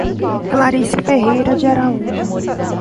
Clarice Ferreira de Araújo